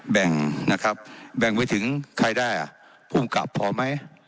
แบ่งนะครับแบ่งไปถึงใครได้อ่ะภูมิกับพอไหม